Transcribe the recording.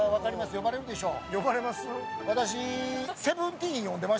呼ばれるでしょう。